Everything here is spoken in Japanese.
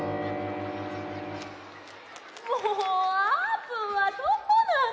もうあーぷんはどこなの？